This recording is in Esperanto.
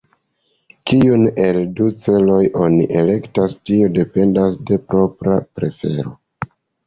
Kiun el la du celoj oni elektas, tio dependas de propra prefero.